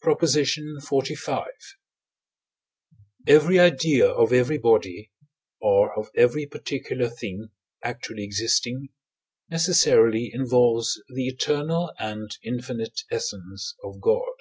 PROP. XLV. Every idea of every body, or of every particular thing actually existing, necessarily involves the eternal and infinite essence of God.